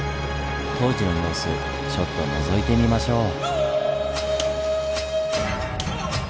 当時の様子ちょっとのぞいてみましょう。